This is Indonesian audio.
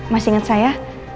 masih inget saya